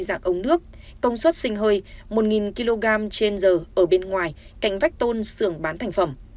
dạng ống nước công suất sinh hơi một kg trên giờ ở bên ngoài cạnh vách tôn sưởng bán thành phẩm